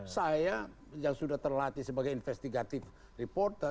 saya yang sudah terlatih sebagai investigative reporter